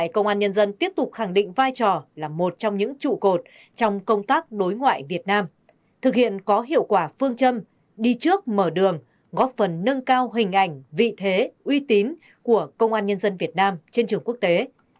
công an nhân dân tiếp tục khẳng định vai trò là một trong những trụ cột trong công tác đối ngoại việt nam thực hiện có hiệu quả phương châm đi trước mở đường góp phần nâng cao hình ảnh vị thế uy tín của công an nhân dân việt nam trên trường quốc tế